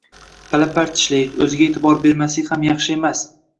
Pala-partishlik, o‘ziga e’tibor bermaslik ham yaxshi emas.